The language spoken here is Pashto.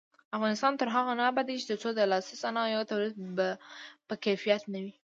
افغانستان تر هغو نه ابادیږي، ترڅو د لاسي صنایعو تولید په کیفیت نه وي.